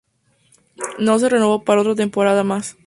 No se renovó para otra temporada más.